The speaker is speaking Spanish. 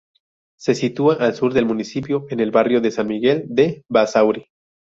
Se sitúa al sur del municipio, en el barrio de San Miguel de Basauri.